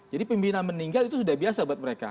jadi pimpinan meninggal itu sudah biasa buat mereka